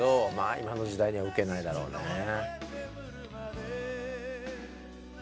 今の時代には受けないだろうねえ。